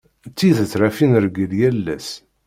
Tidet ɣef i nreggel yal ass.